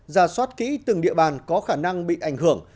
ra soát kỹ từng địa bàn có khả năng bị ảnh hưởng